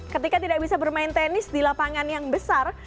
ketika tidak bisa bermain tenis di lapangan yang besar